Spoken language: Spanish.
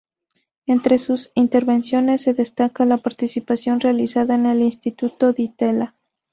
Entre sus intervención se destaca la participación realizada en en el Instituto Di Tella.